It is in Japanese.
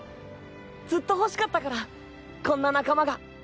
ずっと欲しかったからこんな仲間が。